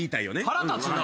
腹立つな。